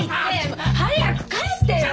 もう早く帰ってよ！